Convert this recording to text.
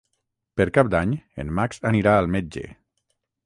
Per Cap d'Any en Max anirà al metge.